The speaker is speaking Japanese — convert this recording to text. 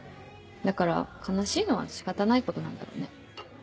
だから悲しいのは仕方ないことなんだろうね。